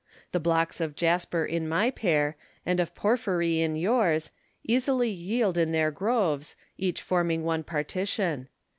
The blocks of jasper in my pair, and of porphyry in yours, easily yield in their groves, each forming one partition.